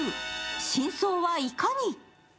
真相はいかに？